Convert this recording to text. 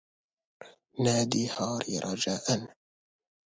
نادني هاري رجاء.